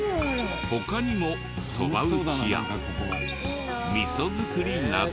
他にもそば打ちや味噌づくりなど。